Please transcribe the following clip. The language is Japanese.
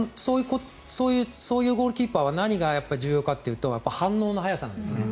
そういうゴールキーパーは何が重要かというと反応の速さなんですね。